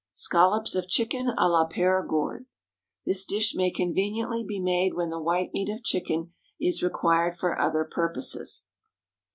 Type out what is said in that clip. Scallops of Chicken à la Périgord. This dish may conveniently be made when the white meat of chicken is required for other purposes.